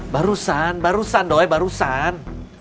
barusan barusan doi barusan